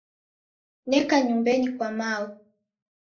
Neka nyumbenyi kwa mao.